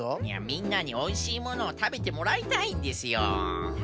いやみんなにおいしいものをたべてもらいたいんですよ。